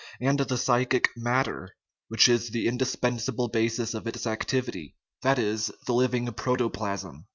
and the psychic matter, which is the inseparable basis of its activity that is, the living protoplasm.